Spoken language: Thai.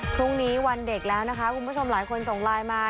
พรุ่งนี้วันเด็กแล้วนะคะคุณผู้ชมหลายคนส่งไลน์มา